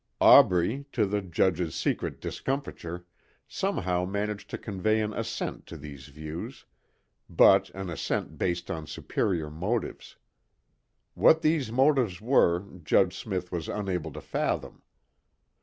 Aubrey, to the judge's secret discomfiture, somehow managed to convey an assent to these views, but an assent based upon superior motives. What these motives were Judge Smith was unable to fathom.